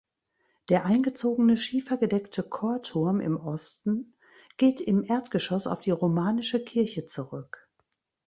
Der eingezogene schiefergedeckte Chorturm im Osten geht im Erdgeschoss auf die romanische Kirche zurück.